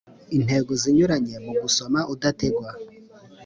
intego zinyuranye mugusoma udategwa